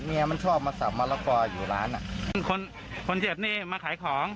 มันชอบมาสับมะละกออยู่ร้านอ่ะคนคนเจ็บนี่มาขายของ